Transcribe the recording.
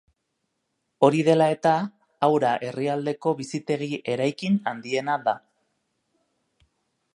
Hori dela eta, Aura herrialdeko bizitegi-eraikin handiena da.